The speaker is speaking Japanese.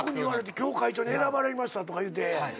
今日会長に選ばれましたとかいうて。